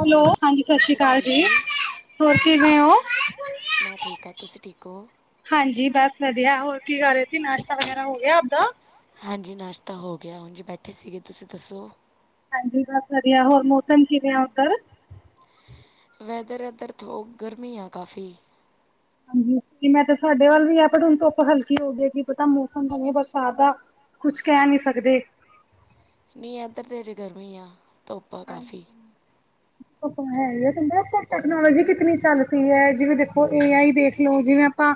Hello ਹਾਂਜੀ ਸਤਿ ਸ਼੍ਰੀ ਅਕਾਲ ਜੀ। ਹੋਰ ਹਾਂਜੀ ਸਤਿ ਕਿਵੇਂ ਓ ਸ਼੍ਰੀ ਅਕਾਲ ਮੈਂ ਠੀਕ ਹਾਂ, ਤੁਸੀਂ ਠੀਕ ਹੋ ਹਾਂਜੀ ਬਸ ਵਧੀਆ ਹੋਰ ਕੀ ਕਰ ਰਹੇ ਸੀ, ਨਾਸ਼ਤਾ ਵਗੈਰਾ ਹੋ ਗਿਆ ਆਪਦਾ ਹਾਂਜੀ ਨਾਸ਼ਤਾ ਹੋ ਗਿਆ, ਹੁਣ ਜੀ ਬੈਠੇ ਸੀਗੇ ਤੁਸੀਂ ਦੱਸੋ ਹਾਂਜੀ ਬਸ ਵਧੀਆ ਹੋਰ ਮੌਸਮ ਕਿਵੇਂ ਆ ਉੱਧਰ ਵੈਦਰ ਇਧਰ ਧੂ, ਗਰਮੀ ਆ ਕਾਫੀ ਹਾਂਜੀ ਮੈਂ ਤਾਂ ਸਾਡੇ ਵੱਲ ਵੀ ਆ ਪਰ ਹੁਣ ਧੁੱਪ ਹਲਕੀ ਹੋ ਜੇਗੀ ਕਿ ਪਤਾ ਮੌਸਮ ਕਿਵੇਂ ਬਰਸਾਤ ਦਾ ਕੁਛ ਕਹਿ ਨੀ ਸਕਦੇ ਨਹੀਂ ਇੱਧਰ ਤੇ ਅਜੇ ਗਰਮੀ ਆ, ਧੁੱਪ ਆ ਕਾਫੀ ਧੁੱਪ ਹੈ ਹੀ ਕਹਿੰਦਾ ਟੈਕਨੋਲੋਜੀ ਕਿਤਨੀ ਚੱਲਦੀ ਹੈ। ਜਿਵੇਂ ਦੇਖ ਉਹ ਏ ਆਈ ਦੇਖਲਓ ਜਿਵੇਂ ਆਪਾਂ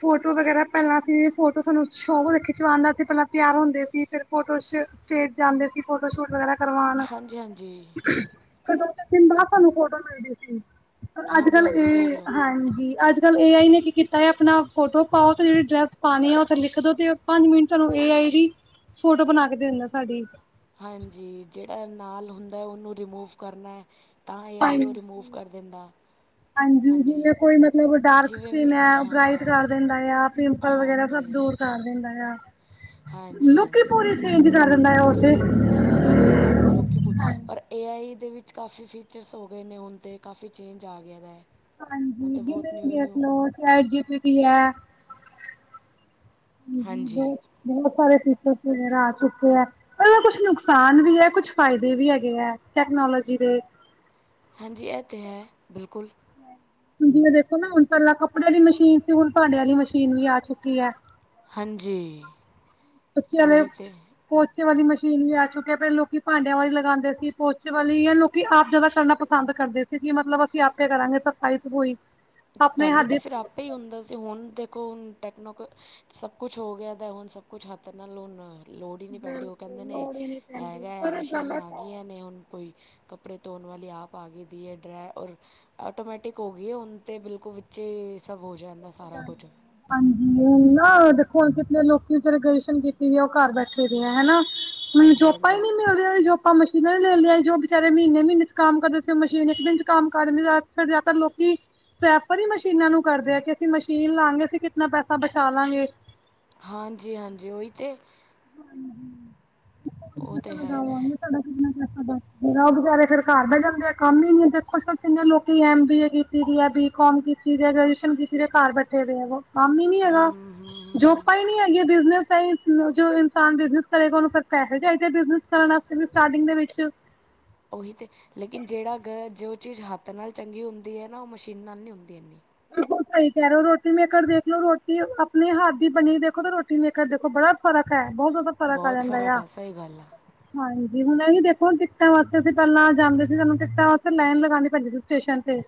ਫੋਟੋ ਵਗੈਰਾ ਪਹਿਲਾਂ ਸੀ ਫੋਟੋ ਸਾਨੂੰ ਸ਼ੌਕ ਸੀ ਖਿਚਵਾਨ ਦਾ, ਸੀ ਪਹਿਲਾਂ ਤਿਆਰ ਹੁੰਦੇ ਸੀ। ਫਿਰ ਫੋਟੋ ਚ ਉਚੇਚ ਜਾਂਦੇ ਸੀ ਫੋਟੋ ਸ਼ੂਟ ਵਗੈਰਾ ਕਰਵਾਉਣ ਹਾਂਜੀ-ਹਾਂਜੀ। ਫਿਰ ਦੋ-ਤਿੰਨ ਦਿਨ ਬਾਅਦ ਸਾਨੂੰ ਫੋਟੋ ਮਿਲਦੀ ਸੀ ਪਰ ਅੱਜ ਹਾਂਜੀ ਕੱਲ੍ਹ ਹਾਂਜੀ ਵੇਖ ਏ, ਲਓ ਹਾਂਜੀ ਅੱਜ ਅਜ-ਕਲ ਏ ਆਈ ਨੇ ਕੀ ਕੀਤਾ ਆ ਆਪਣਾ ਫੋਟੋ ਪਾਓ ਤੇ ਜਿਹੜੀ ਡਰੈਸ ਪਾਉਣੀ ਆ ਉਹਦੇ ਤੇ ਲਿਖ ਦੋ ਤੇ ਪੰਜ ਮਿੰਟ ਤੁਹਾਨੂੰ ਏ ਆਈ ਇਹਦੀ ਫੋਟੋ ਬਣਾ ਕੇ ਦੇ ਦਿੰਦਾ ਸਾਡੀ ਹਾਂਜੀ ਜਿਹੜਾ ਨਾਲ ਹੁੰਦਾ ਉਹਨੂੰ ਰਿਮੂਵ ਕਰਨਾ ਐ ਤਾਂ ਏ ਆਈ ਉਹ ਰਿਮੂਵ ਹਾਂਜੀ ਕਰ ਦਿੰਦਾ ਹਾਂਜੀ ਜਿਵੇਂ ਕੋਈ ਮਤਲਬ ਡਾਰਕ ਜਿਵੇਂ ਸਕਿਨ ਵੀ ਹੈ ਬਰਾਈਟ ਹਾਂ ਕਰ ਦਿੰਦਾ ਆ, ਪਿੰਪਲ ਵਗੈਰਾ ਸਭ ਹਾਂਜੀ ਦੂਰ ਕਰ ਦਿੰਦਾ ਆ। ਹਾਂਜੀ ਲੁੱਕ ਹੀ ਹਾਂਜੀ ਹਾਂਜੀ ਪੂਰੀ ਚੇਂਜ ਕਰ ਦਿੰਦਾ ਆ ਔ ਤੇ ਹਾਂਜੀ ਲੋਕੀ ਪੁਛ ਪਰ ਏ ਆਈ ਦੇ ਵਿੱਚ ਕਾਫੀ ਫੀਚਰਸ ਹੋ ਗਏ ਨੇ ਹੁਣ ਤੇ, ਕਾਫ਼ੀ ਚੇਂਜ ਆ ਗਿਆ ਦਾ ਐ ਹਾਂਜੀ ਜਿਨੂੰ ਵੀ ਦੇਖਲੋ ਚੈਟ ਜੀ ਪੀ ਟੀ ਐ ਹਾਂਜੀ ਹਾਂਜੀ ਬਹੁਤ-ਬਹੁਤ ਸਾਰੇ ਫੀਚਰਸ ਵਗੈਰਾ ਆ ਚੁੱਕੇ ਐ ਇਹਦਾ ਕੁਛ ਨੁਕਸਾਨ ਵੀ ਹੈ, ਕੁਛ ਫਾਇਦੇ ਵੀ ਹੈਗੇ ਐ ਟੈਕਨੋਲੋਜੀ ਦੇ ਹਾਂਜੀ ਇਹ ਤੇ ਹੈ। ਬਿਲਕੁਲ ਹੁਨ ਜਿਵੇ ਦੇਖੋ ਨਾ ਹੁਣ ਪਹਿਂਲਾ ਕੱਪੜੇ ਆਲੀ ਮਸ਼ੀਨ ਸੀ, ਹੁਣ ਭਾਂਡੇ ਵਾਲੀ ਮਸ਼ੀਨ ਵੀ ਆ ਚੁੱਕੀ ਐ ਹਾਂਜੀ। ਬੱਚਿਆ ਉਹੀ ਤੇ ਪੋਚੇ ਵਾਲੀ ਮਸ਼ੀਨ ਵੀ ਆ ਚੁੱਕੀ ਐ। ਪਹਿਲਾ ਲੋਕੀ ਭਾਂਡਿਆਂ ਵਾਲੀ ਲਗਾਉਂਦੇ ਸੀ, ਪੋਚੇ ਵਾਲੀਆਂ ਨੂੰ ਵੀ ਆਪ ਜਿਆਦਾ ਕਰਨਾ ਪਸੰਦ ਕਰਦੇ ਸੀ। ਜੀ ਮਤਲਬ ਅਸੀਂ ਆਪੇ ਕਰਾਂਗੇ ਸਫ਼ਾਈ ਸਫੂਈ ਅੱਛਾ ਆਪਣੇ ਪਹਿਲੇ ਹੱਥ ਤਾਂ ਦੀ ਫਿਰ ਆਪ ਆਪੇ ਹੀ ਹੁੰਦਾ ਸੀ ਹੁਣ ਦੇਖੋ ਹੁਣ ਟੈਕਨੋਕ, ਸਭ ਕੁਛ ਹੋ ਗਿਆ ਦਾ ਹੁਣ ਸਭ ਕੁਛ ਹੱਥ ਨਾਲ ਹੋਨਾ ਲੋੜ ਹੀ ਨਹੀਂ ਪੈਂਦੀ ਉਹ ਕਹਿੰਦੇ ਨੇ। ਹੈਗਾ ਹੈ ਮਸ਼ੀਨਾਂ ਆ ਗਈਆਂ ਨੇ ਹੁਣ ਕੋਈ ਕੱਪੜੇ ਧੋਣ ਵਾਲੀ ਆਪ ਆਗਈ ਦੀ ਏ ਡਰੇ ਔ ਆਟੋਮੈਟਿਕ ਹੋ ਗਈ ਹੁਨ ਤੇ ਬਿਲਕੁਲ ਵਿੱਚੇ ਸਭ ਹੋ ਜਾਂਦਾ ਸਾਰਾ ਕੁਝ ਹਾਂਜੀ ਨਾ ਦੇਖੋ ਹੁਣ ਕਿਤੇ ਲੋਕੀ ਗਰੈਜੂਏਸ਼ਨ ਕੀਤੀ ਦੀ ਆ ਉਹ ਘਰ ਬੈਠੇ ਆ ਆ ਹੈਨਾ ਹੁਣ ਹਾਂਜੀ ਜੋਬਾਂ ਹੀ ਹਾਂਜੀ ਨੀ ਲੈ ਲਿਆ ਜੋਬਾਂ ਮਸ਼ੀਨਾਂ ਲੈ ਲਿਆਏ ਜੋ ਬਚਾਰੇ ਮਹੀਨੇ - ਮਹੀਨੇ ਚ ਕੰਮ ਕਰਦੇ ਸੀ ਉਹ ਮਸ਼ੀਨ ਇੱਕ ਦਿਨ ਚ ਕੰਮ ਕਰ ਜਿਆਦਾਤਰ ਲੋਕੀ ਪ੍ਰੈਫਰ ਹੀ ਮਸ਼ੀਨਾਂ ਨੂੰ ਕਰਦੇ ਆ ਅਸੀਂ ਮਸ਼ੀਨ ਲਾਂਗੇ, ਅਸੀਂ ਕਿਤਨਾ ਪੈਸਾ ਬਚਾ ਲਾਂਗੇ। ਹਾਂਜੀ-ਹਾਂਜੀ, ਓਹੀ ਤੇ। ਉਹ [unintelligible] ਤੇ ਹੈ ਤਹਾਡਾ ਕਿੰਨਾ ਉਹ ਬਚਾਰੇ ਫਿਰ ਘਰ ਬਹਿ ਜਾਂਨਗੇ, ਕੰਮ ਹੀ ਨੀ ਦੇਖੋ ਕਿੰਨੇ ਲੋਕੀ ਐਮ ਬੀ ਏ ਕੀਤੀ ਦੀ ਬੀਕੌਮ ਕੀ ਗਸ਼ਨ, ਕੀਸੇ ਦੇ ਘਰ ਬੈਠੇ ਦੇ ਆਵੋ। ਕੰਮ ਹੀ ਨੀ ਹੈਗਾ, ਹੂੰ ਹੂੰ ਜੋਪਾ ਹੀ ਨੀ ਹੈਗੀਆਂ, ਬਿਜਨਸ ਜੋ ਇਨਸਾਨ ਬਿਜਨਸ ਕਰੇਗਾ, ਉਹਨੂੰ ਫੇਰ ਪੈਸੇ ਚਾਹੀਦੇ ਬਿਜਨਸ ਕਰਨ ਵਾਸਤੇ ਵੀ ਸਟਾਰਟਿੰਗ ਦੇ ਵਿੱਚ। ਉਹੀ ਤੇ, ਲੇਕਿਨ ਜਿਹੜਾ ਗ ਜੋ ਚੀਜ਼ ਹੱਥ ਨਾਲ ਚੰਗੀ ਹੁੰਦੀ ਹੈ ਨਾ, ਉਹ ਮਸ਼ੀਨ ਨਾਲ ਨਹੀਂ ਹੁੰਦੀ ਇੰਨੀ। ਬਿਲਕੁਲ ਸਹੀ ਕਹਿ ਰੇ ਰੋਟੀ ਮੇਕਰ ਦੇਖਲੋ, ਰੋਟੀ ਆਪਣੇ ਹੱਥ ਦੀ ਬਣੀ ਦੇਖੋ ਤੇ ਰੋਟੀ ਮੇਕਰ ਦੇਖੋ ਬੜਾ ਫ਼ਰਕ ਐ, ਬਹੁਤ ਜ਼ਿਆਦਾ ਫ਼ਰਕ ਆ ਬਹੁਤ ਜਾਂਦਾ ਯਾ। ਆ ਸਹੀ ਗੱਲ ਆ ਹਾਂਜੀ, ਹੁਣ ਇਹ ਵੀ ਦੇਖੋ ਟਿਕਟਾਂ ਵਾਸਤੇ ਅਸੀਂ ਪਹਿਲਾਂ ਜਾਂਦੇ ਸੀ, ਸਾਨੂੰ ਟਿਕਟਾਂ ਵਾਸਤੇ ਲਾਈਨ ਲਗਾਨੀ ਪੈਦੀ ਸੀ। ਸਟੇਸ਼ਨ ਤੇ,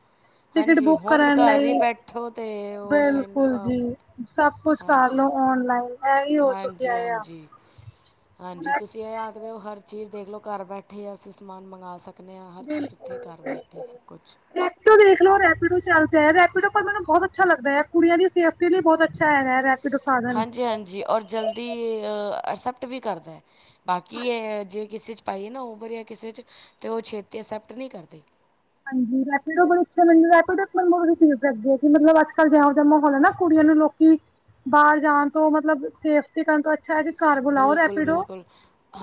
ਟਿਕਟ ਹਾਂਜੀ ਬੁੱਕ ਹੁਣ ਕਰਨ ਘਰ ਹੀ ਲਈ ਬੈਠੋ ਤੇ ਔਨਲਾਈਨ ਬਿਲਕੁਲ ਸਭ ਜੀ, ਸਭ ਕੁਛ ਹਾਂਜੀ ਕਰਲੋ ਔਨਲਾਈਨ। ਮੈਂ ਈ ਓ, ਛੁੱਟੀ ਹਾਂਜੀ ਆਏ ਆ। ਹਾਂਜੀ ਹਾਂਜੀ, ਤੁਸੀਂ ਇਹ ਆਖਦੇ ਓ ਹਰ ਚੀਜ਼ ਦੇਖਲੋ, ਘਰ ਬੈਠੇ ਅਸੀਂ ਸਮਾਨ ਮੰਗਾ ਸਕ ਦੇਖਨੇ ਆਂ, ਹਰ ਚੀਜ਼ ਉੱਥੇ ਘਰ ਬੈਠੇ ਸਭ ਕੁਛ ਦੇਖਲੋ ਰੈਪਿਡੋ ਚੱਲਦਾ ਐ, ਰੈਪਡੋ ਮੈਨੂੰ ਬਹੁਤ ਅੱਛਾ ਲੱਗਦਾ ਐ, ਕੁੜੀਆਂ ਦੀ ਸੇਫਟੀ ਲਈ ਬਹੁਤ ਅੱਛਾ ਹੈਗਾ, ਰੈ ਹਾਂਜੀ-ਹਾਂਜੀ, ਔਰ ਜਲਦੀ ਐਕਸੈਪਟ ਵੀ ਕਰਦੇਂ। ਬਾਕੀ ਏ ਜੇ ਕਿਸੇ 'ਚ ਪਾਈਏ ਨਾ ਓਵਰ ਯਾ ਕਿਸੇ 'ਚ, ਤੇ ਉਹ ਛੇਤੀ ਅਕਸੈਪਟ ਨਹੀਂ ਕਰਦੇ। ਹਾਂਜੀ, ਰੈਪਿਡੋ ਅੱਛੇ ਮੈਂਨੁ ਰੈਪਿਡੋ ਆਪ ਰਿਸੀਵੱਏ ਕਿ ਮਤਲਬ ਅੱਜ-ਕੱਲ ਜੇਹੋ ਜਿਹਾ ਮਾਹੌਲ ਐ ਨਾ। ਕੁੜੀਆਂ ਨੂੰ ਲੋਕੀ, ਬਾਹਰ ਜਾਣ ਤੋਂ ਮਤਲਬ ਸੇਫ ਕਰਣ ਤੋਂ ਅੱਛਾ ਜੇ, ਘਰ ਬੁਲਾਓ ਰੈਪੀਡੋ ਬਿਲਕੁਲ-ਬਿਲਕੁਲ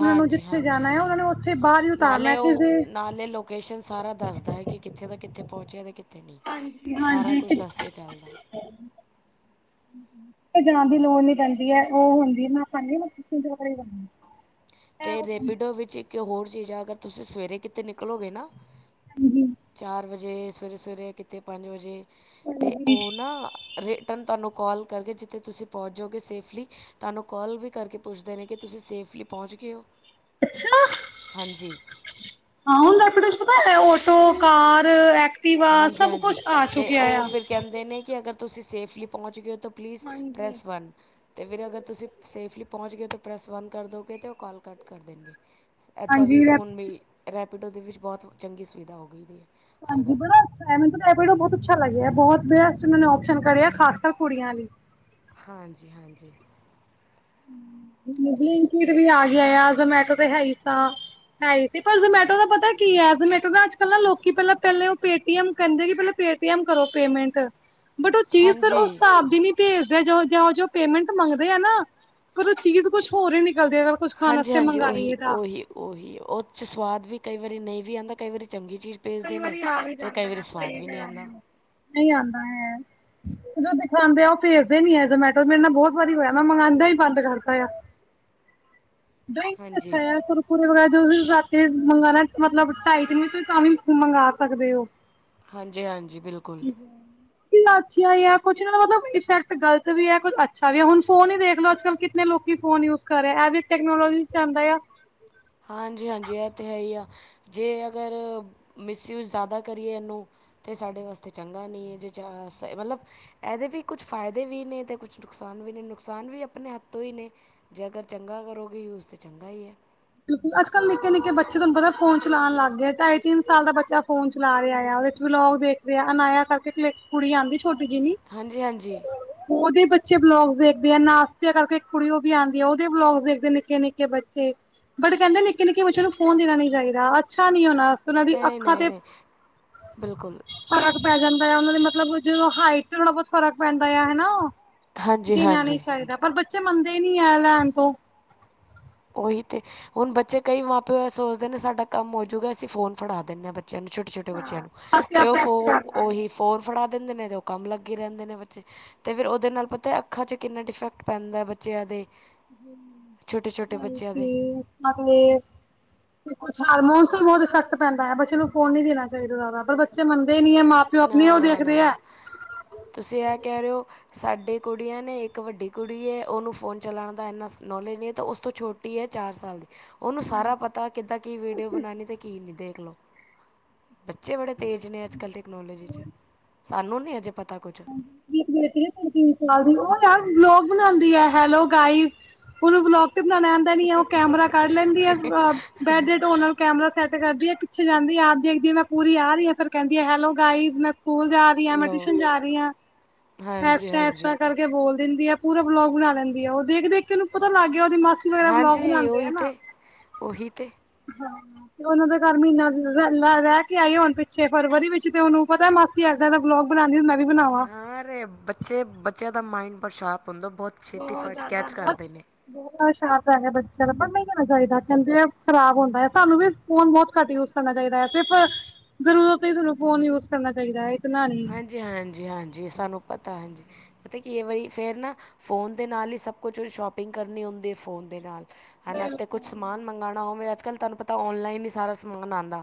ਉਹਨਾ ਨੂੰ ਜਿੱਥੇ ਜਾਣਾ ਆ ਉਹਨਾ ਨੂੰ ਉੱਥੇ ਬਾਹਰ ਈ ਨਾਲੇ ਉਹ, ਨਾਲੇ ਲੋਕੇਸ਼ਨ ਸਾਰਾ ਦੱਸਦਾ ਹੈ ਕਿ, ਕਿੱਥੇ ਦਾ ਕਿੱਥੇ ਪਹੁੰਚਿਆ ਤੇ ਕਿੱਥੇ ਸਾਰਾ ਹਾਂਜੀ ਕੁਛ ਦੱਸ ਕਿਸੇ ਕੇ ਚੱਲਦਾ। ਕੀਤੇ ਜਾਣ ਦੀ ਲੋੜ ਨੀ ਪੈਂਦੀ ਐ, ਉਹ ਹੁੰਦੀ ਏ ਨਾ ਤੇ ਰੈਪੀਡੋ ਵਿੱਚ ਇੱਕ ਹੋਰ ਚੀਜ਼ ਆ, ਅਗਰ ਤੁਸੀਂ ਸਵੇਰੇ ਕਿ ਤੇ ਨਿਕਲੋਗੇ ਨਾ, ਚਾਰ ਵਜੇ ਸਵੇਰੇ-ਸਵੇਰੇ ਕਿਤੇ ਪੰਜ ਵਜੇ ਤੇ ਉਹ ਨਾ ਰਿਟਰਨ ਤੁਹਾਨੂੰ ਕੋਲ ਕਰਕੇ ਜਿੱਥੇ ਤੁਸੀਂ ਪਹੁੰਚ ਜੋਗੇ ਸੇਫਲੀ, ਤੁਹਾਨੂੰ ਕੋਲ ਵੀ ਕਰਕੇ ਪੁੱਛਦੇ ਨੇ, ਕਿ ਤੁਸੀਂ ਸੇਫਲੀ ਪਹੁੰਚ ਗਏ ਓ। ਅੱਛਾ! ਹਾਂ, ਹੁਣ ਰੈਪੀਡੋ ਪਤਾ ਹੈ ਆਟੋ, ਕਾਰ ਐ ਹਾਂਜੀ-ਹਾਂਜੀ, ਤੇ ਉਹ ਫਿਰ ਕਹਿੰਦੇ ਨੇ ਕਿ ਅਗਰ ਤੁਸੀਂ ਸੇਫਲੀ ਪਹੁੰਚ ਗਏ ਓ, ਤਾਂ ਪਲੀਜ਼ ਪਲੀਜ ਪ੍ਰੇਸ ਵੰਨ। ਤੇ ਫਿਰ ਅਗਰ ਤੁਸੀਂ, ਸੇਫਲੀ ਪਹੁੰਚ ਗਏ ਹੋ ਤਾਂ ਪ੍ਰੈੱਸ ਵੰਨ ਕਰ ਦੋਗੇ ਤੇ ਉਹ ਕਾਲ ਕੱਟ ਕਰ ਦੇਣਗੇ। ਐਦਾਂ ਵੀ, ਹਾਂਜੀ ਰੈਪ ਹੁਣ ਵੀ ਰੈਪੀਡੋ ਦੇ ਵਿੱਚ ਬਹੁਤ ਚੰਗੀ ਸੁਵਿਧਾ ਹੋ ਗਈ ਦੀ ਏ। ਹਾਂਜੀ, ਬੜਾ ਮੈਨੂੰ ਤਾਂ ਇਹ ਰੈਪੀਡੋ ਬਹੁਤ ਅੱਛਾ ਲੱਗਿਆ, ਬਹੁਤ ਬੇਸਟ ਉਹ ਨੇ ਔਪਸ਼ਨ ਕੜਿਆ, ਖਾਸ ਕਰ ਕੁੜੀਆਂ ਲਈ। ਹਾਂਜੀ-ਹਾਂਜੀ। ਬਲਿੰਕੀਟ ਵੀ ਆਗਿਆ ਆ, ਜ਼ਮੈਟੋ ਤੇ ਹੈਈ ਗਾ। ਹੈਈ ਸੀ, ਜ਼ੋਮੈਟੋ ਦਾ ਪਤਾ ਕੀ ਐ, ਜ਼ੋਮੈਟੋ ਦਾ ਅੱਜ-ਕੱਲ ਨਾ ਲੋਕੀ, ਪਹਿਲੇ ਉਹ ਪੇਟੀਐਮ ਕਹਿੰਦੇ ਪਹਿਲ ਪੇਟੀਐਮ ਕਰੋ ਪੇਮੇਂਟ। ਬਟ ਉਹ ਚੀਜ਼ ਫੇਰ ਉਸ ਹਾਂਜੀ ਹਿਸਾਬ ਦੀ ਨੀ ਭੇਜਦੇ, ਜਾਂ, ਜੋ ਪੇਮੈਂਟ ਮੰਗਦੇ ਆ ਨਾ। ਪਰ ਚੀਜ਼ ਕੁਛ ਹੋਰ ਹੀ ਨਿਕਲਦੀ, ਅਗਰ ਕੁਛ ਖਾਣ ਵਾਸਤੇ ਹਾਂਜੀ-ਹਾਂਜੀ, ਮੰਗਾਈਏ ਤਾਂ ਉਹੀ-ਉਹੀ-ਉਹੀ, ਉਹ 'ਚ ਸਵਾਦ ਵੀ ਕਈ ਵਾਰੀ ਨਹੀਂ ਵੀ ਆਂਦਾ, ਕਈ ਵਾਰੀ ਚੰਗੀ ਚੀਜ਼ ਭੇਜਦੇ ਨੇ ਤੇ ਕਈ ਵਾਰੀ ਸ੍ਵਾਦ ਵੀ ਨੀ ਆਂਦਾ। ਨਹੀਂ ਆਂਦਾ ਐ। [inaudible] ਜੋ ਦਿਖਾਂਦੇ ਉਹ ਭੇਜਦੇ ਨੀ ਐ ਜਮੈਟੋ। ਮੇਰੇ ਨਾਲ ਬਹੁਤ ਵਾਰੀ ਹੋਇਆ, ਮੈਂ ਮੰਗਾਂਦਾ ਈ ਬੰਦ ਕਰਤਾ ਆ। [inaudible] ਦਹੀ, ਅੱਛਾ ਹਾਂਜੀ ਯਾਰ ਕੁਰਕੁਰੇ ਵਗੈਰਾ ਜੋ ਵੀ ਰਾਤੀ ਮੰਗਾਣਾ, ਮਤਲਬ ਢਾਈ-ਤਿਨ ਵਜੇ ਤਾਂ ਵੀ ਤੁਸੀ ਮੰਗਾ ਸਕਦੇ ਓ। ਹਾਂਜੀ-ਹਾਂਜੀ ਬਿਲਕੁਲ। ਏ ਨਾ ਅੱਛਾ ਈ ਐ ਕੁੱਛ। ਇਹਨਾਂ ਦਾ ਮਤਲਬ ਇਫੈਕਟ ਗਲਤ ਵੀ ਐ ਕੁੱਛ ਅੱਛਾ ਵੀ ਐ। ਹੁਣ ਫ਼ੋਨ ਈ ਦੇਖ ਲੋ, ਅੱਜ-ਕੱਲ੍ਹ ਕਿਤਨੇ ਲੋਕ ਕੀ ਫ਼ੋਨ ਯੂਸ ਕਰ ਰਿਹਾ, ਐਹ ਵੀ ਟੈਕਨੋਲੋਜੀ 'ਚ ਆਂਦਾ ਆ। ਹਾਂਜੀ-ਹਾਂਜੀ, ਐਹ ਤੇ ਹੈ ਆ, ਜੇ ਅਗਰ ਮਿਸ ਯੂਜ਼ ਜ਼ਿਆਦਾ ਕਰੀਏ ਇਹਨੂੰ ਤੇ ਸਾਡੇ ਵਾਸਤੇ ਚੰਗਾ ਨੀ ਏ। ਜੇ ਚ ਅ ਮਤਲਬ ਇਹਦੇ ਵੀ ਕੁੱਝ ਫਾਇਦੇ ਵੀ ਨੇ ਤੇ ਕੁ ਨੁਕਸਾਨ ਵੀ ਨਹੀ, ਨੁਕਸਾਨ ਵੀ ਆਪਣੇ ਹੱਥੋਂ ਈ ਨੇ। ਜੇ ਅਗਰ ਚੰਗਾ ਕਰੋਗੇ ਯੂਜ ਤੇ ਚੰਗਾ ਈ ਐ। ਬਿਲਕੁਲ, ਅੱਜ-ਕੱਲ੍ਹ ਨਿੱਕੇ-ਨਿੱਕੇ ਬੱਚੇ ਤੁਹਾਨੂੰ ਪਤਾ ਫ਼ੋਨ ਚਲਾਂਣ ਲੱਗਗੇ। ਢਾਈ-ਤਿੰਨ ਸਾਲ ਦਾ ਬੱਚਾ ਫ਼ੋਨ ਚਲਾ ਰਿਹਾ ਆ। ਆਹ ਵੇ ਵਲੋਗ ਦੇਖਦੇ ਆ, ਅਨਾਇਆ ਕਰਕੇ ਇਕ ਕੁੜੀ ਆਂਦੀ ਛੋਟੀ ਜਿੰਨੀ ਹਾਂਜੀ-ਹਾਂਜੀ। ਉਹਦੇ ਬੱਚੇ ਬਲੋਗਸ ਦੇਖਦੇ ਆ, ਨਾਸ਼ਤਿਆਂ ਕਰਕੇ ਕੁੜੀ ਉਹ ਵੀ ਆਂਦੀ ਐ। ਉਹਦੇ ਬਲੋਗਸ ਦੇਖਦੇ ਨਿੱਕੇ-ਨਿੱਕੇ ਬੱਚੇ। ਬਟ ਕਹਿੰਦੇ ਨਿੱਕੇ-ਨਿੱਕੇ ਬੱਚਿਆਂ ਨੂੰ ਫੋਨ ਦੇਣਾ ਨੀ ਚਾਹੀਦਾ। ਅੱਛਾ ਨੀ ਉਹਨਾਂ ਦੀ ਅੱਖਾਂ ਨਹੀ-ਨਹੀਂ, ਤੇ ਨਹੀ ਬਿਲਕੁਲ। ਫ਼ਰਕ ਪੈ ਜਾਂਦਾ ਆ, ਉਹਨਾਂ ਦੀ ਮਤਲਬ ਜਦ ਹਾਈਟ ਤੇ ਥੋੜ੍ਹਾ ਬਹੁਤ ਫ਼ਰਕ ਪੈਂਦਾ ਆ ਹੈਨਾ। ਹਾਂਜੀ ਦੇਣਾ ਨੀ ਹਾਂਜੀ ਚਾਈਦਾ। ਪਰ ਬੱਚੇ ਮੰਨਦੇ ਨੀ ਐ ਲੈਣ ਤੋਂ ਉਹੀ ਤੇ ਹੁਣ ਬੱਚੇ, ਕਈ ਮਾਂ ਪਿਓ ਐਹ ਸੋਚਦੇ ਨੇ ਸਾਡਾ ਕੰਮ ਹੋਜੂਗਾ। ਅਸੀਂ ਫੋਨ ਫੜਾ ਦਿੰਨੇ ਆ ਬੱਚਿਆਂ ਨੂੰ, ਛੋ ਛੋਟੇ-ਛੋਟੇ ਬੱਚਿਆਂ ਨੂੰ ਤੇ ਉਹ ਫੋ ਉਹੀ ਫੋਰ ਫੜਾ ਦਿੰਦੇ ਨੇ ਤੇ ਉਹ ਕੰਮ ਲੱਗੇ ਰਹਿੰਦੇ ਨੇ ਬੱਚੇ ਤੇ ਫਿਰ ਉਹਦੇ ਨਾਲ ਪਤਾ ਅੱਖਾਂ 'ਚ ਕਿੰਨਾ ਡਿਫੈਕਟ ਪੈਂਦਾ ਬ ਚਿਆਂ ਦੇ। ਗਿਆ ਈ ਨ‌ਈ। ਟੇ ਬੱਚਿਆਂ ਦੇ [unintelligible] ਏ। ਤੇ ਕੁੱਛ ਹਾਰਮੋਨ ਤੇ ਬਹੁਤ ਇਫੈਕਟ ਪੈਂਦਾ। ਬੱਚੇ ਨੂੰ ਫ਼ੋਨ ਨੀ ਦੇਣਾ ਚਾਹੀਦਾ ਜ਼ਿਆਦਾ। ਪਰ ਬੱਚੇ ਮੰਨਦੇ ਈ ਨੀ ਐ ਮਾਂ ਤੇ ਉਹ ਆਪਣੀ ਨਾ ਉਹ ਨਾ ਨਾ ਦੇਖਦੇ ਐ ਤੁਸੀਂ ਇਹ ਕਹਿ ਰਹੇ ਓ ਸਾਡੇ ਕੁੜੀਆਂ ਨੇ। ਇੱਕ ਵੱਡੀ ਕੁੜੀ ਏ, ਉਹਨੂੰ ਫੋਨ ਚਲਾਉਣ ਦਾ ਇੰਨਾ ਨੌਲੇਜ ਨੀ ਤਾਂ ਉਸ ਤੋਂ ਛੋਟ ਟੀ ਐ, ਚਾਰ ਸਾਲ ਦੀ। ਉਹਨੂੰ ਸਾਰਾ ਪਤਾ ਕਿੱਦਾਂ ਕੀ ਵੀਡੀਓ ਬਣਾਂਣੀ ਤੇ ਕੀ ਨੀ ਦੇਖਲੋ। ਬੱਚੇ ਬੜੇ ਤੇਜ਼ ਨੇ, ਅੱਜ-ਕੱਲ੍ਹ ਟੈਕਨੋਲੋਜੀ 'ਚ। ਸਾਨੂੰ ਨ੍ਹੀਂ ਹਜੇ ਪਤਾ ਕੁਛ ਮੇਰੀ ਬੇਟੀ ਏ ਸਾਡੇ-ਤਿੰਨ ਸਾਲ ਦੀ, ਉਹ ਯਾਰ ਬਲੋਗ ਬਣਾਉਂਦੀ ਐ, ਹੈਲੋ ਗਾਇਜ ਉਹਨੂੰ ਬਲੋਗ ਤੇ ਬਣਾਉਣਾ ਆਉਂਦਾ ਨੀ ਐ। ਉਹ ਕੈਮਰਾ ਕੱਢ ਲੈਂਦੀ ਆ, ਅਹ ਬੈਂਡ ਦੀ ਢੋ ਨਾਲ ਕੈਮਰਾ ਸੈੱਟ ਕਰਦੀ ਐ, ਪਿੱਛੇ ਜਾਂਦੀ ਆਪ ਦੇਖਦੀ ਮੈਂ ਪੂਰੀ ਆ ਰਹੀਆਂ। ਫਿਰ ਕਹਿੰਦੀ ਆ, ਹੈਲੋ ਗਾਈਜ਼ ਮੈਂ ਸਕੂਲ ਜਾ ਰਹੀ ਆ, ਮੈਂ ਲਓ ਟਿਊਸ਼ਨ ਜਾ ਰਹੀ ਆ। ਐਸ ਹਾਂਜੀ ਤਰਾਂ, ਐਸ ਹਾਂਜੀ ਤਰਾਂ ਕਰ ਕੇ ਬੋਲ ਦਿੰਦੀ ਆ, ਪੂਰਾ ਵਲੋਗ ਬਣਾ ਲੈਂਦੀ ਆ। ਉਹ ਦੇਖ-ਦੇਖ ਕੇ ਉਹਨੂੰ ਪਤਾ ਲੱਗ ਗਿਆ, ਉਹਦੀ ਮਾ ਹਾਂਜੀ, ਉਹੀ ਤੇ, ਉਹੀ ਤੇ। ਹਾ ਤੇ ਉਹਨਾਂ ਦੇ ਘਰ ਮਹੀਨਾ ਰਹਿ ਲੇ ਰਹਿ ਕੇ ਆਈ ਹੁਣ ਪਿੱਛੇ ਫਰਵਰੀ ਵਿੱਚ ਤੇ ਉਹਨੂੰ ਪਤਾ ਮਾਸੀ ਐਦਾਂ-ਐਦਾਂ ਬਲੋਗ ਬਣਾਂਦੀ ਮੈਂ ਵੀ ਬਣਾ ਹਾਂਰੇ ਬੱਚੇ, ਬੱਚਿਆਂ ਦਾ ਮਾਇੰਡ ਬਹੁਤ ਸ਼ਾਰਪ ਹੁੰਦਾ, ਬਹੁਤ ਛੇਤੀ ਫਰਜ਼ ਜ਼ਿਆਦਾ ਕੈਚ ਬਹੁਤ ਕਰਦੇ ਨੇ। ਬਹੁਤ ਸ਼ਾਰਪ ਹੈਗੇ ਬੱਚਿਆਂ ਦਾ। ਪਰ ਨਹੀਂ ਦੇਣਾਂ ਚਾਹੀਦਾ, ਕਹਿੰਦੇ ਆ ਖ਼ਰਾਬ ਹੁੰਦਾ। ਸਾਨੂੰ ਵੀ ਫ਼ੋਨ ਬਹੁਤ ਘੱਟ ਯੂਸ ਕਰਨਾ ਚਾਹੀਦਾ ਐ। ਸਿਰਫ਼ ਜ਼ਰੂਰਤ ਈ ਤੁਨੂੰ ਫ਼ੋਨ ਯੂਜ਼ ਕਰਨਾ ਚਾਹੀਦਾ ਐ, ਇਤਨਾ ਨ੍ਹੀਂ। ਹਾਂਜੀ, ਹਾਂਜੀ, ਹਾਂਜੀ ਸਾਨੂੰ ਪਤਾ ਹਾਂਜੀ। ਪਤਾ ਕੀ ਏ ਬਈ ਫੇਰ ਨਾ ਫੋਨ ਦੇ ਨਾਲ ਹੀ ਸਭ ਕੁਛ ਸ਼ੋਪਿੰਗ ਕਰਨੀ ਹੁੰਦੀ ਹੈ ਫੋਨ ਦੇ ਨਾਲ। ਹਨਾਂ, ਤੇ ਕੁਛ ਸਮਾਨ ਮੰਗਵਾਣਾ ਹੋਵੇ ਅਜ -ਕਲ੍ਹ ਤੁਹਾਨੂੰ ਪਤਾ ਔਨਲਾਈਨ ਹੀ ਸਾਰਾ ਸਮਾਨ ਆਂਦਾ।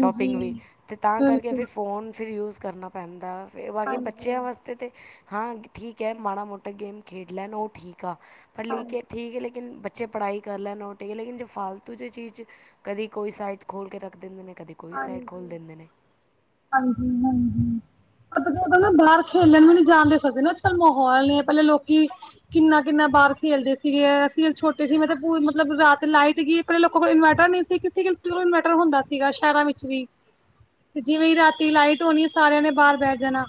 ਸ਼ੋਪਿੰਗ ਵੀ ਅਤੇ ਤਾਂ ਕਰਕੇ ਫਿਰ ਫੋਨ ਫਿਰ ਯੂਸ ਕਰਨਾ ਪੈਂਦਾ, ਫਿਰ ਬਾਕੀ ਬੱਚਿਆਂ ਵਾਸਤੇ ਹਾਂ ਠੀਕ ਐ, ਮਾੜਾ ਮੋਟਾ ਗੇਮ ਖੇਡ ਲੈਣ ਉਹ ਠੀਕ ਆ, ਪੜ੍ ਲਿਖ ਕੇ, ਠੀਕ ਏ ਲੇਕਿਨ ਬ ਚੇ ਪੜ੍ਹਾਈ ਕਰ ਲੈਣ, ਉਹ ਠੀਕ, ਲੇਕਿਨ ਜੇ ਫਾਲਤੂ ਜੇ ਚੀਜ਼ ਕਦੀ ਕੋਈ ਸਾਈਟ ' ਖੋਲ੍ਹ ਕੇ ਰੱਖ ਦਿੰਦੇ ਨੇ, ਕਦੇ ਹਾਂਜੀ, ਹਾਂਜੀ, ਹਾਂ ਨਾ ਬਾਹਰ ਖੇਲਣ ਵੀ ਨੀ ਜਾਣ ਦੇ ਸਕਦੇ ਨਾ, ਅਜ- ਕਲ ਮਾਹੌਲ ਨੀ ਐ ਪਹਿਲੇ ਲੋਕੀ ਕਿੰਨਾ, ਕਿੰਨਾ ਬਾਰ ਖੇਲਦੇ ਸੀਗੇ, ਅਸੀ ਜਦੋਂ ਛੋਟੇ ਸੀ, ਮਤਲਬ ਪ ਮਤਲਬ ਰਾਤ ਲਾਈਟ ਗਈ ਆਪਣੇ ਲੋਕਾਂ ਕੋਲ ਇਨਵਰਟਰ ਨਹੀਂ ਸੀ, ਕਿਸੇ-ਕਿਸੇ ਕੋਲ ਇਨਵਰਟਰ ਹੁੰਦਾ ਸੀਗਾ। ਸ਼ਹਿਰਾਂ ਵਿੱਚ ਵੀ, ਤੇ ਜਿਵੇਂ ਰਾਤੀ ਲਾਈਟ ਹੋਣੀ ਸਾਰਿਆਂ ਨੇ ਬਾਰ ਬੈ ਜਾਣਾ,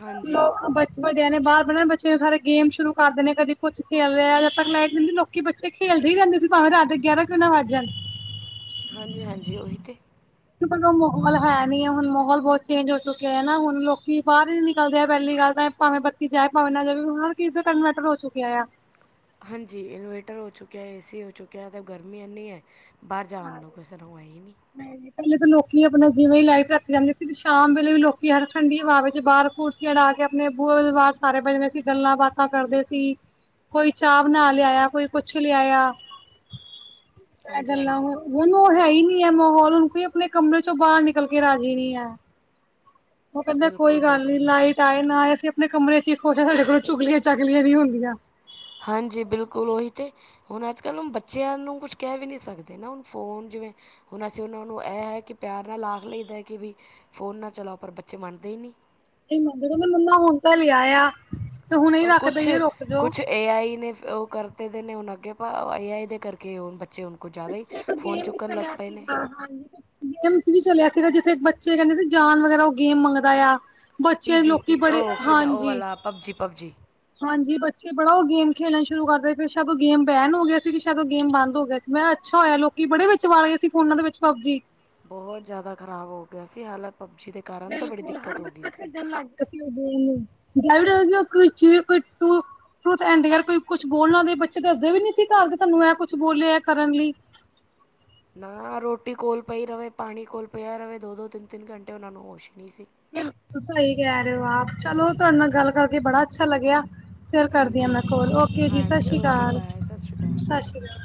ਹਾਂਜੀ ਲੋਕ ਵੱਡਿਆਂ ਨੇ ਬਾਰ ਬਹਿਣਾ, ਬੱਚੇ ਸਾਰੇ ਗੇਮ ਸ਼ੁਰੂ ਕਰ ਦੇਣੇ, ਕਦੇ ਕੁੱਛ ਖੇਲ ਲਿਆ, ਜਦ ਤੱਕ ਲਾਈਟ ਹੁੰਦੀ ਲੋਕੀ ਬ ਤੇ ਖੇਲਦੇ ਹੀ ਰੇਂਦੇ ਸੀ, ਭਾਵੇਂ ਰਾਤ ਗਿਆਰਾਂ ਕਿਉ ਨਾ ਵੱਜ ਜਾਣ। ਹਾਂਜੀ, ਹਾਂਜੀ ਉਹੀ ਤੇ। ਮਾਹੌਲ ਹੈ ਨੀ ਹੈ ਹੁਣ, ਮਾਹੌਲ ਬਹੁਤ ਚੇਂਜ ਹੋ ਚੁੱਕਿਆ ਐ ਨਾ ਹੁਣ, ਲੋਕੀ ਬਾਹਰ ਹੀ ਨੀ ਨਿਕਲਦੇ ਆ ਪਹਿਲੀ ਗੱਲ ਤਾਂ ਏ ਭਾਵੇਂ ਬੱਤੀ ਜਾਏ, ਭਾਵੇਂ ਨਾ ਜਾਵੇ, ਹਰ ਕਿਸੇ ਦੇ ਘਰ ਇਨਵਰਟਰ ਹੋ ਚੁੱਕਿਆ ਆ। ਹਾਂਜੀ, ਇਨਵੇਟਰ ਹੋ ਚੁੱਕਿਆ ਏ, ਏਸੀ ਹੋ ਚੁੱਕਿਆ, ਤਾਂ ਗਰਮੀ ਇੰਨੀ ਐ। ਬਾਹਰ ਜਾਣ ਨੂੰ ਕਿਸੇ ਨੂੰ ਐਈ ਨੀ। ਨਹੀਂ ਪਹਿਲੇ ਤਾਂ ਲੋਕੀ ਆਪਣਾ ਜਿਵੇਂ ਈ ਲਾਈਟ ਰਾਤੀ ਜਾਂਦੇ ਸੀ ਸ਼ਾਮ ਵੇਲੇ ਵੀ ਲੋਕੀ ਹਰ ਠੰਡੀ ਹਵਾ ਵਿੱਚ ਬਾਹਰ ਕੂ ਚੜਾ ਕੇ ਆਪਣੇ ਬੁਏ ਦੇ ਬਾਰ ਸਾਰੇ ਬਜਦੇ ਸੀ ਗੱਲਾਂ ਬਾਤਾਂ ਕਰਦੇ ਸੀ। ਕੋਈ ਚਾਹ ਬਣਾ ਲਿਆਇਆ, ਕੋਈ ਕੁਛ ਲਿਆਇਆ। [inaudible] ਐ ਗੱਲਾਂ ਹਾਂਜੀ ਹੋਰ ਹੂਨ ਉਹ ਹੈ ਹੀ ਨੀ ਐ ਮਾਹੌਲ, ਹੁਨ ਕੋਈ ਆਪਣੇ ਕਮਰੇ ਚੋਂ ਬਾਹਰ ਨਿਕਲ ਕੇ ਰਾਜੀ ਨੀ ਐ। ਓਹ ਕਹਿੰਦਾ ਬਿਲਕੁਲ ਕੋਈ ਗੱਲ ਨੀ ਬਿਲਕੁਲ ਲਾਈਟ ਆਏ ਨਾ ਆਏ, ਅਸੀਂ ਆਪਣੇ ਕਮਰੇ ਚ ਈ ਖੁਸ਼ ਆ, ਸਾਡੇ ਕੋਲੋਂ ਚੁਗਲੀਆਂ- ਚਗਲੀਆਂ ਨੀ ਹੁੰਦੀਆਂ। ਹਾਂਜੀ, ਬਿਲਕੁਲ ਉਹੀ ਤੇ ਹੁਣ ਅਜ- ਕਲ੍ਹ ਬੱਚਿਆਂ ਨੂੰ ਕੁਛ ਕਹਿ ਵੀ ਨਹੀਂ ਸਕਦੇ ਨਾ ਹੁਣ ਫੋਨ ਜਿਵੇਂ ਹੁਣ ਅਸੀਂ ਉਹਨਾਂ ਨੂੰ ਇਹ ਹੈ ਕਿ ਪਿਆਰ ਨਾਲ ਆਖ ਲਈਦਾ ਕਿ ਵੀ ਫੋਨ ਨਾ ਚਲਾਓ, ਪਰ ਬੱਚੇ ਮੰਨਦੇ ਈ ਨੀ। ਜਦੋਂ ਮੈਂ ਮੰਗਾਂ, ਮੰਮਾ ਹੁਣ ਤਾਂ ਲਿਆ ਆ ਤੇ ਹੁਣੇ ਔਰ ਰੱਖ ਕੁਛ ਦਈਏ ਰੁਕ ਜੌ। ਕੁਛ ਏ ਆਈ ਨੇ ਫ ਉਹ ਕਰਤੇ ਦੇ ਨੇ ਹੁਣ ਅੱਗੇ, ਏ ਆਈ ਦੇ ਕਰਕੇ ਉਹ ਬੱਚੇ ਹੁਨ। ਪਿੱਛੇ ਇੱਕ ਗੇਮ ਵੀ ਚਲਿਆ ਸੀਗਾ, ਹਾਂਜੀ। ਗੇਮਸ ਵੀ ਚਲਿਆ ਸੀਗਾ, ਜਿੱਥੇ ਇੱਕ ਬੱਚੇ ਕਹਿੰਦੇ ਸੀ ਜਾਨ ਵਗੈਰਾ ਉਹ ਗੇਮ ਮੰਗਦਾ ਆ। ਪੀ ਬੱਚੇ ਜੀ ਲੋਕੀ ਪੀ ਬੜੇ, ਉਹ ਕੀ ਨਾ ਉਹ ਹਾਂਜੀ। ਵਾਲਾ ਪਬਜੀ, ਪਬਜੀ। ਹਾਂਜੀ, ਬੱਚੇ ਬੜਾ ਉਹ ਗੇਮ ਖੇਲਣਾ ਸ਼ੁਰੂ ਕਰਦੇ ਫਿਰ, ਬੇਸ਼ੱਕ ਉਹ ਗੇਮ ਬੈਨ ਹੋ ਗਿਆ ਸੀ ਤੇ ਬੇਸ਼ੱਕ ਉਹ ਗੇਮ ਬੰਦ ਹੋ ਗਿਆ ਸੀ। ਮੈਂ ਅੱਛਾ ਹੋਇਆ, ਲੋਕੀ ਬੜੇ ਵਿੱਚ ਵੜ ਗੇ ਸੀ, ਫੋਨਾ ਦੇ ਵਿੱਚ ਪਬਜੀ। ਬਹੁਤ ਜ਼ਿਆਦਾ ਖ਼ਰਾਬ ਹੋ ਗਿਆ ਸੀ, ਹਾਲਾਂ ਪਬਜੀ ਦੇ ਕਾਰਨ ਤਾਂ ਬੜੀ ਦਿੱਕਤ ਹੋ ਗਈ ਸੀ। [unintelligible] ਟਰੂਠ ਐਂਡ ਡੇਰ, ਕੋਈ ਕੁਛ ਬੋਲਣਾ ਵੈ, ਬੱਚੇ ਦੱਸਦੇ ਵੀ ਨੀ ਸੀ ਘਰ ਕੇ ਸਾਨੂੰ ਇਹ ਕੁਛ ਬੋਲਿਆ ਐ ਕਰਨ ਲਈ। ਨਾ ਰੋਟੀ ਕੋਲ ਪਈ ਰਵੇ, ਪਾਣੀ ਕੋਲ ਪਿਆ ਰਵੇ, ਦੋ-ਦੋ, ਤਿੰਨ-ਤਿੰਨ ਘੰਟੇ ਉਹ ਨੂੰ ਹੋਸ਼ ਨੀ ਸੀ। ਬਿਲਕੁਲ ਸਈ ਕਹਿ ਰੇ ਓ ਆਪ, ਚਲੋ ਤੁਹਾਡੇ ਨਾਲ ਗੱਲ ਕਰਕੇ ਬੜਾ ਅੱਛਾ ਲੱਗਿਆ। ਫਿਰ ਕਰਦੀ ਥੈਂਕ ਅ ਮੈਂ ਯੂ ਕੋਲ, ਓਕੇ ਜੀ, ਹਾਂਜੀ ਓਕੇ ਬਾਏ ਸਤਿ ਸ਼੍ਰੀ ਅਕਾਲ ਸ਼ਸ਼ੀਕਾਲ-ਸ਼ਸ਼ੀਕਾਲ।